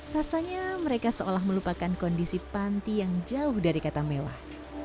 rasanya mereka seolah melupakan kondisi panti yang jauh dari kata mewah